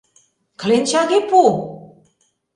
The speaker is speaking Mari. Кленчаге пу!